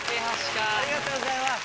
ありがとうございます。